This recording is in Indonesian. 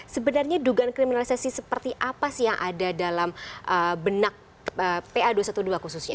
sebenarnya dugaan kriminalisasi seperti apa sih yang ada dalam benak pa dua ratus dua belas khususnya